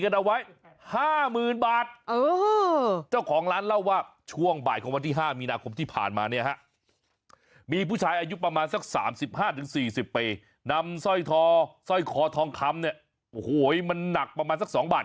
ส้อยทอส้อยคอทองคำเนี่ยโอ้โหมันหนักประมาณสักสองบาท